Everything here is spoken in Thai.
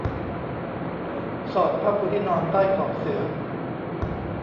สอดผ้าปูที่นอนใต้ขอบเสื่อ